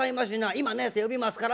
今ねえさん呼びますから。